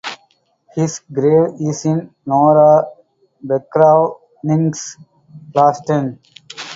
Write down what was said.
His grave is in Norra begravningsplatsen.